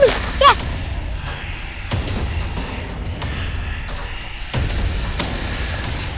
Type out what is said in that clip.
terima kasih juga